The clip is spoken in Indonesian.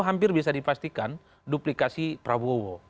hampir bisa dipastikan duplikasi prabowo